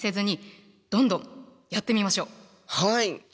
はい。